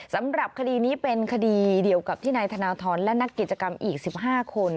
สำหรับคดีนี้เป็นคดีเดียวกับที่นายธนทรและนักกิจกรรมอีก๑๕คน